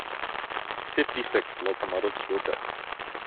Fifty-six locomotives were built.